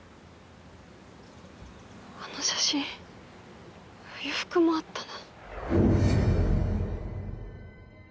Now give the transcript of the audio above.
あの写真冬服もあったな。